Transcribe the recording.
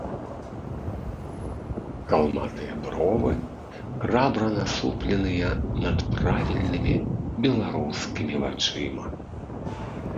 Калматыя бровы, храбра насупленыя над правільнымі беларускімі вачыма.